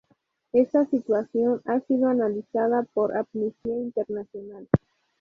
Está situación ha sido analizada por Amnistía Internacional.